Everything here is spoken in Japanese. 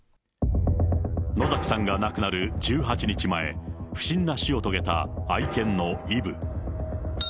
野崎さんが亡くなる１８日前、不審な死を遂げた愛犬のイブ。